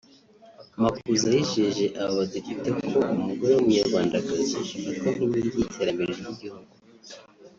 Makuza yijeje aba Badepite ko umugore w’Umunyarwandakazi afatwa nk’inkingi y’iterambere ry’igihugu